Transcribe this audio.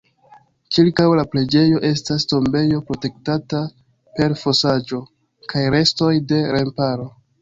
Ĉirkaŭ la preĝejo estas tombejo protektata per fosaĵo kaj restoj de remparo.